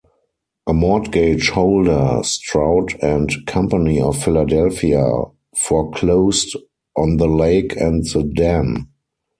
A mortgage-holder, Stroud and Company of Philadelphia, foreclosed on the lake and the dam.